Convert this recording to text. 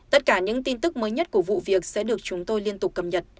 tất cả những tin tức mới nhất của vụ việc sẽ được chúng tôi liên tục cầm nhận